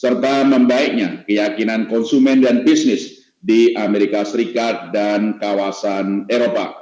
serta membaiknya keyakinan konsumen dan bisnis di amerika serikat dan kawasan eropa